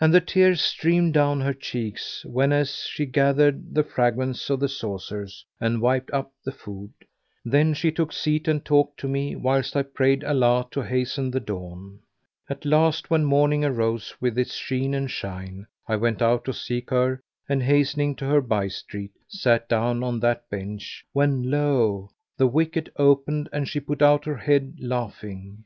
And the tears streamed down her cheeks whenas she gathered the fragments of the saucers and wiped up the food; then she took seat and talked to me, whilst I prayed Allah to hasten the dawn. At last, when morning arose with its sheen and shine, I went out to seek her and hastening to her by street sat down on that bench, when lo! the wicket opened and she put out her head laughing.